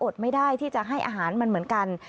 ไม่ได้ที่จะให้อาหารมันเหมือนกัน